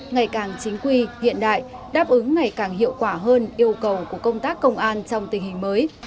ngày càng chính quy hiện đại đáp ứng ngày càng hiệu quả hơn yêu cầu của công tác công an trong tình hình mới